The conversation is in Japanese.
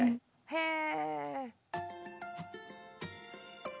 へえ！